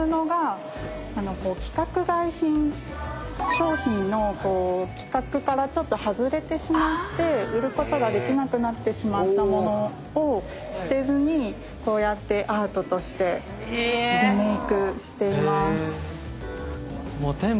商品の規格からちょっと外れてしまって売ることができなくなってしまった物を捨てずにこうやってアートとしてリメークしています。